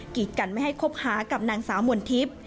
กิจกันไม่ให้คบหากับนางสาวมนทิพย์